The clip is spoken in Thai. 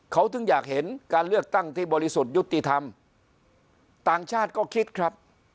เขาถึงอยากเห็นการเลือกตั้งที่บริสุทธิ์ยุติธรรมต่างชาติก็คิดครับ